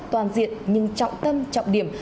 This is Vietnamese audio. toàn diện nhưng trọng tâm trọng điểm